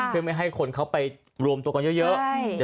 เพื่อไม่ให้คนเขาไปรวมตัวกันเยอะ